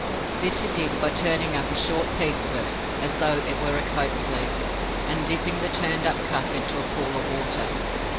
This he did by turning up a short piece of it, as though it were a coat sleeve, and dipping the turned up cuff into a pool of water.